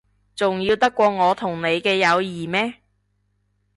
重要得過我同你嘅友誼咩？